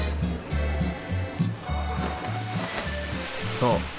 そう。